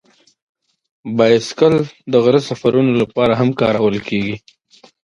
بایسکل د غره سفرونو لپاره هم کارول کېږي.